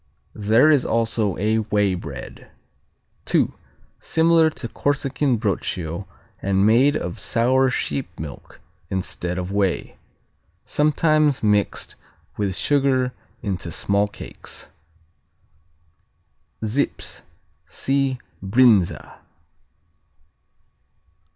There is also a whey bread. II. Similar to Corsican Broccio and made of sour sheep milk instead of whey. Sometimes mixed with sugar into small cakes. Zips see Brinza.